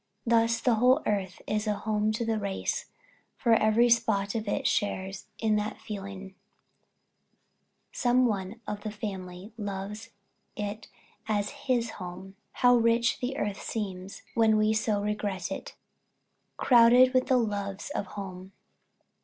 Thus the whole earth is a home to the race; for every spot of it shares in the feeling: some one of the family loves it as his home. How rich the earth seems when we so regard it crowded with the loves of home!